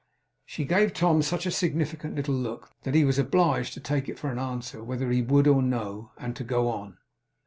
She gave Tom such a significant little look, that he was obliged to take it for an answer whether he would or no; and to go on.